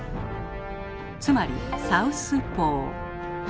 つまり「サウス」「ポー」。